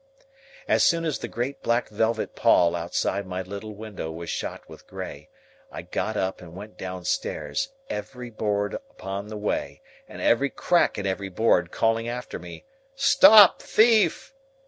As soon as the great black velvet pall outside my little window was shot with grey, I got up and went downstairs; every board upon the way, and every crack in every board calling after me, "Stop thief!"